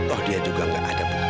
oh dia juga gak ada